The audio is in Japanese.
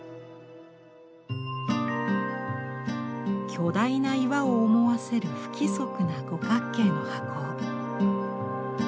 巨大な岩を思わせる不規則な五角形の箱。